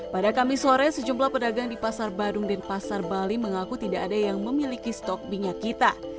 pada kamis sore sejumlah pedagang di pasar badung dan pasar bali mengaku tidak ada yang memiliki stok minyak kita